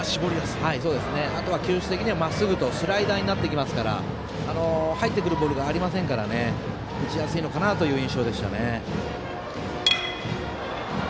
あとは球種的にはまっすぐとスライダーになってきますから入ってくるボールがありませんから打ちやすいのかな先制点！